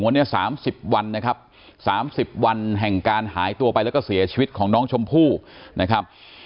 ผ่านมาเนี่ยจนถึงวันที่สามสิบวันนะครับ